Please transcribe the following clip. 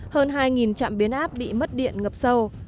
hơn hai trạm biến áp bị mất điện ngập sâu